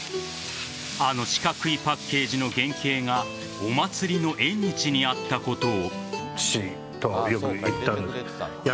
あの四角いパッケージの原型がお祭りの縁日にあったことを。